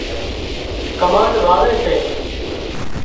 ڪمانڌ واوي سي